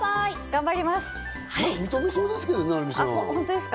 頑張ります。